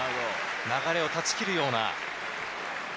流れを断ち切るような。